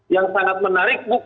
yang sangat menarik bu